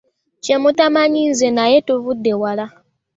Kye mutamanyi nze naye tuvudde wala.